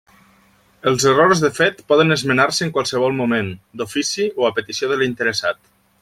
Els errors de fet poden esmenar-se en qualsevol moment, d'ofici o a petició de l'interessat.